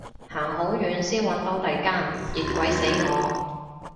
行好遠先搵到第間，熱鬼死我